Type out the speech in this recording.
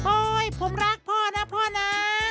โอ๊ยผมรักพ่อนะพ่อนะ